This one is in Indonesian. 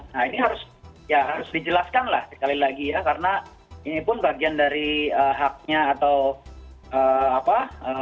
nah ini harus ya harus dijelaskan lah sekali lagi ya karena ini pun bagian dari haknya atau apa